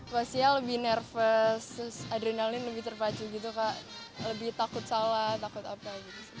pastinya lebih nervous adrenalin lebih terpacu gitu kak lebih takut salah takut apa